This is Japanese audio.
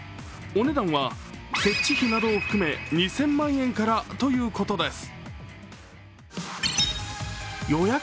お値段は設置費などを含め２０００万円からということです。